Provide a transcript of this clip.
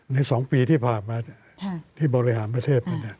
๒ปีที่ผ่านมาที่บริหารประเทศ